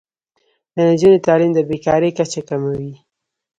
د نجونو تعلیم د بې کارۍ کچه کموي.